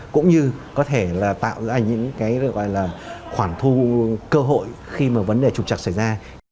cũng như có thể là tạo ra những cái gọi là khoản thu cơ hội khi mà vấn đề trục trặc xảy ra